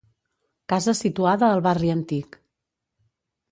Casa situada al barri antic.